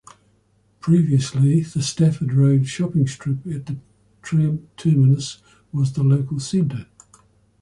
Previously, the Stafford Road shopping strip at the tram terminus was the local centre.